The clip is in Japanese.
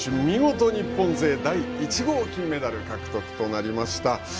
見事日本勢第１号金メダル獲得となりました。